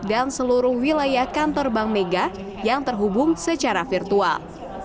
dan seluruh wilayah kantor bank mega yang terhubung secara virtual